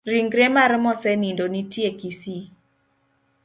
Rigre mar mosenindo nitie kisii.